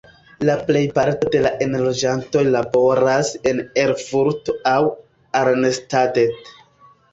La plejparto de la enloĝantoj laboras en Erfurto aŭ Arnstadt.